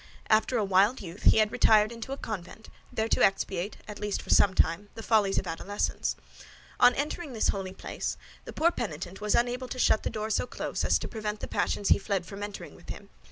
After a wild youth, he had retired into a convent, there to expiate, at least for some time, the follies of adolescence. On entering this holy place, the poor penitent was unable to shut the door so close as to prevent the passions he fled from entering with him.